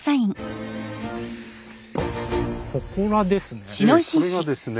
ほこらですね。